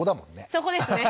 そこですね。